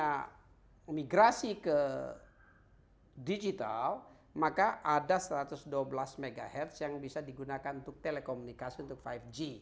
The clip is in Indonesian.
karena migrasi ke digital maka ada satu ratus dua belas mhz yang bisa digunakan untuk telekomunikasi untuk lima g